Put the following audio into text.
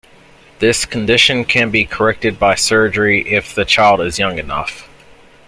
This condition can be corrected by surgery if the child is young enough.